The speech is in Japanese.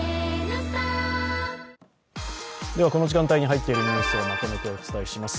この時間帯に入っているニュースをまとめてお伝えします。